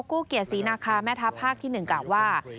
กู้เกียรติศรีนาคาแม่ทัพภาคที่๑กล่าวว่า